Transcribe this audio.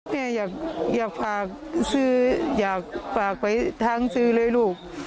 แม่อยากฝากไปทางซื้อเลยลูก